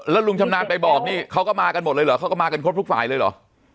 แล้วลุงชำนาญไปบอกนี่เขาก็มากันหมดเลยเหรอเขาก็มากันครบทุกฝ่ายเลยเหรอ